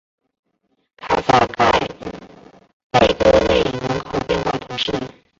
卡萨盖贝戈内人口变化图示